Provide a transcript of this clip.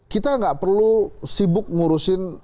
kita nggak perlu sibuk ngurusin